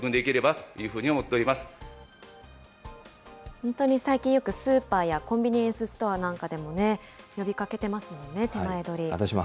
本当に最近よくスーパーやコンビニエンスストアなんかでも、呼びかけてますもんね、てまえどり。